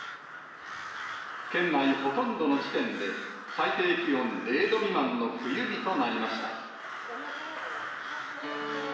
県内ほとんどの地点で、最低気温０度未満の冬日となりました。